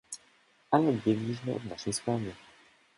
"Ale odbiegliśmy od naszej sprawy."